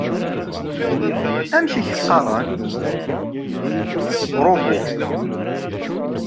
Amek i ak-qqaren? - Robot